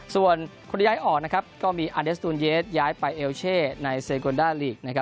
ส่วนคนที่ย้ายออกก็มีอันเดสตูนเยสย้ายไปเอลเช่ในเซโกนด้าลีก